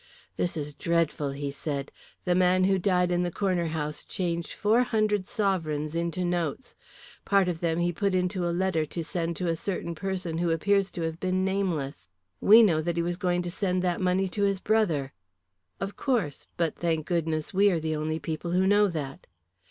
"This is dreadful," he said. "The man who died in the Corner House changed four hundred sovereigns into notes. Part of them he put into a letter to send to a certain person who appears to have been nameless. We know that he was going to send that money to his brother." "Of course. But, thank goodness, we are the only people who know that."